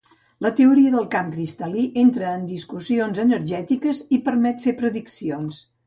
La teoria del camp cristal·lí entra en discussions energètiques i permet fer prediccions.